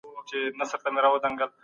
دا هغه کس دی چي ډېر مهارت لري.